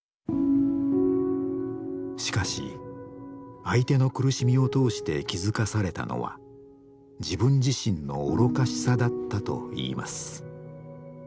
しかし相手の苦しみを通して気付かされたのは自分自身の愚かしさだったといいます。